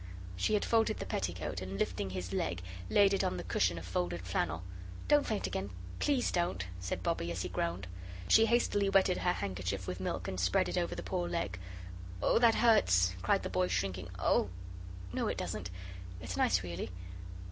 She had folded the petticoat, and lifting his leg laid it on the cushion of folded flannel. "Don't faint again, PLEASE don't," said Bobbie, as he groaned. She hastily wetted her handkerchief with milk and spread it over the poor leg. "Oh, that hurts," cried the boy, shrinking. "Oh no, it doesn't it's nice, really."